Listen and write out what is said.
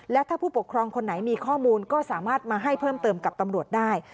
และถ้าผู้ปกครองคนไหนมีข้อมูลก็สามารถมาให้เพิ่มเติมกับตำรวจได้